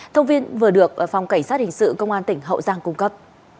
thông tin vừa được phòng cảnh sát hình sự công an tỉnh hậu giang cung cấp